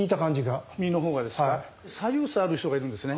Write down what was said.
左右差ある人がいるんですね。